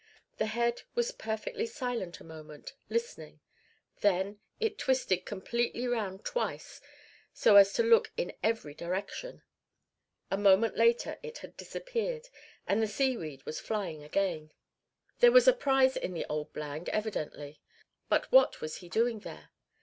The head was perfectly silent a moment, listening; then it twisted completely round twice so as to look in every direction. A moment later it had disappeared, and the seaweed was flying again. There was a prize in the old blind evidently. But what was he doing there?